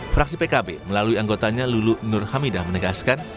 fraksi pkb melalui anggotanya lulu nur hamidah menegaskan